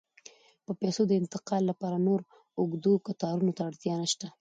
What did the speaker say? د پیسو د انتقال لپاره نور اوږدو کتارونو ته اړتیا نشته.